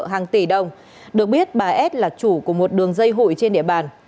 hàng tỷ đồng được biết bà s là chủ của một đường dây hụi trên địa bàn